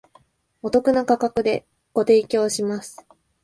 お得な価格でご提供します